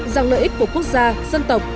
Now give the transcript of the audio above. rằng lợi ích của quốc gia dân tộc